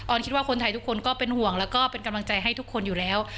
คิดว่าคนไทยทุกคนก็เป็นห่วงแล้วก็เป็นกำลังใจให้ทุกคนอยู่แล้ว